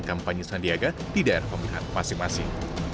kampanye sandiaga di daerah pemilihan masing masing